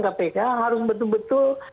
kpk harus betul betul